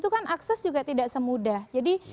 dan akses juga tidak semudah jadi